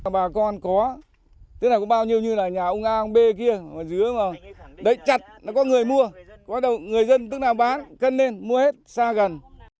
bà con có tức là có bao nhiêu như là nhà ông a ông b kia dưới không ạ đấy chặt nó có người mua người dân tức nào bán cân lên mua hết xa gần